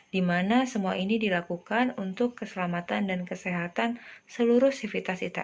di mana semua ini dilakukan untuk keselamatan dan kesehatan seluruh sivitas kita